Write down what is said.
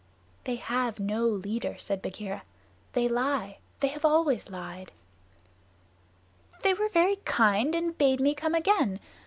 "They have no leader," said Bagheera. "They lie. They have always lied." "They were very kind and bade me come again.